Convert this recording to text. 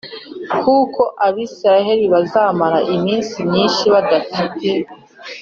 Kuko Abisirayeli bazamara iminsi myinshi badafite